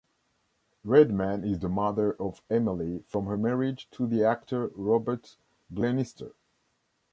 Redman is the mother of Emily from her marriage to the actor Robert Glenister.